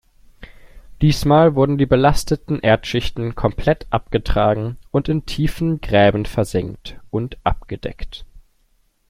Diesmal wurden die belasteten Erdschichten komplett abgetragen und in tiefen Gräben versenkt und abgedeckt.